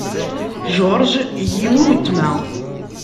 George yiwi wetma.